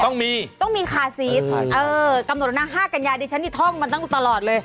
ต้องมีต้องมีค่าซีสกำหนดหน้า๕กัญญาชั้นที่ท่องมันต้องนั่งตลอดเลย